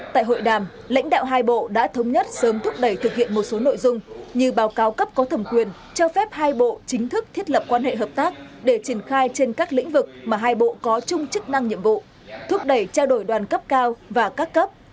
tại hội đàm lãnh đạo hai bộ đã thống nhất sớm thúc đẩy thực hiện một số nội dung như báo cáo cấp có thẩm quyền cho phép hai bộ chính thức thiết lập quan hệ hợp tác để triển khai trên các lĩnh vực mà hai bộ có chung chức năng nhiệm vụ thúc đẩy trao đổi đoàn cấp cao và các cấp